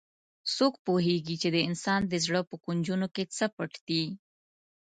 څوک پوهیږي چې د انسان د زړه په کونجونو کې څه پټ دي